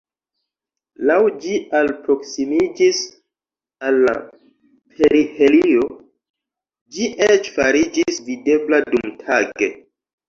Laŭ ĝi alproksimiĝis al la perihelio ĝi eĉ fariĝis videbla dumtage.